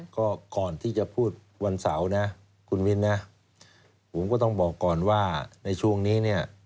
ก็ก่อนที่จะพูดวันเสาร์นะคุณมิ้นนะผมก็ต้องบอกก่อนว่าในช่วงนี้เนี่ย